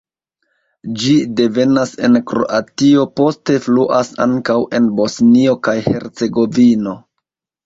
Ĝi devenas en Kroatio, poste fluas ankaŭ en Bosnio kaj Hercegovino.